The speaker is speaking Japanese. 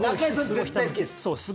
絶対好きです。